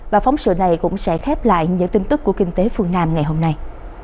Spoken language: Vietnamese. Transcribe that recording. và phóng sự này cũng sẽ khép lại những tin tức của kinh tế phương nam ngày hôm nay